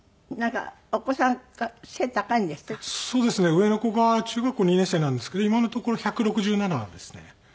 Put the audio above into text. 上の子が中学校２年生なんですけど今のところ１６７ですね。